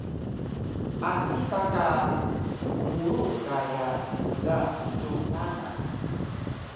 Asi ta ka murug gaya muda elug kana